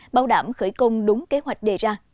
bảo đảm khởi công đúng kế hoạch đề ra